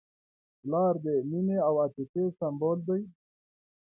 پلار د مینې او عاطفې سمبول دی.